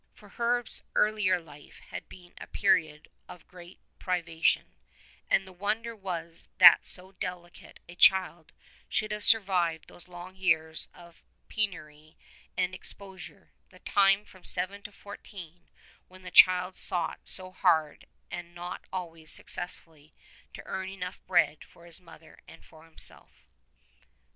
For Herve's earlier life had been a period of great privation, and the wonder was that so delicate a child should have survived those long years of penury and exposure, the time from seven to fourteen when the child sought so hard and not always successfully, to earn enough bread for his mother and for himself.